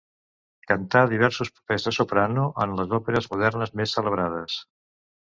Cantà diversos papers de soprano en les òperes modernes més celebrades.